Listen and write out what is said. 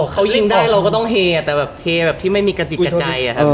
เขายิ่งได้เราก็ต้องเฮแต่แบบที่ไม่มีกระจิดกระใจ